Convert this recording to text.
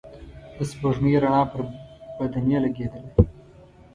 د سپوږمۍ رڼا پر بدنې لګېدله.